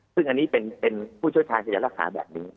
ซึ่งอันนี้เป็นผู้ช่วยทางเศรษฐรรคาแบบนี้